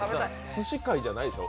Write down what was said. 寿司界じゃないでしょ。